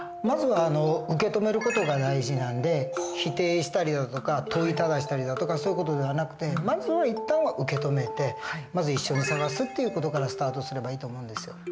まずは受け止める事が大事なんで否定したりだとか問いただしたりだとかそういう事ではなくてまずは一旦は受け止めてまず一緒に捜すという事からスタートすればいいと思うんですよ。